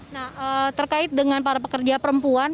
nah terkait dengan para pekerja perempuan